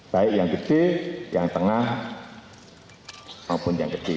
baik yang gede yang tengah maupun yang gede